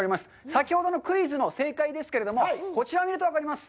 先ほどのクイズの正解ですけども、こちらを見ると分かります。